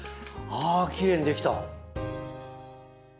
あきれいにできた。